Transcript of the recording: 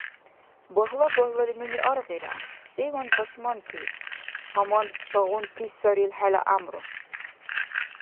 Багьла-багьлали нуни аргъира, севан пашманти, гьаман цагъунти саррил хӀела гӀямру.